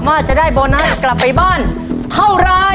ว่าจะได้โบนัสกลับไปบ้านเท่าไร